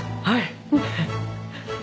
はい！